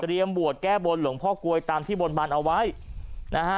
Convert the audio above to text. บวชแก้บนหลวงพ่อกลวยตามที่บนบานเอาไว้นะฮะ